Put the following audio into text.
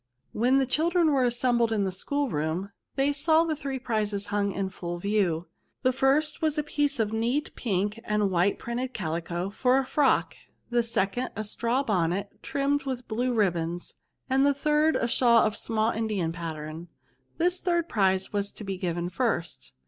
When the children were assembled in the school room^ they saw the three prizes hmig up in full view. The first was a piece of neat pink and white printed calico, for a frock ; the second, a straw bonnet, trimmed with blue ribbons ; and the third, a shawl of a small Indian pattern. This third prize was to be given first.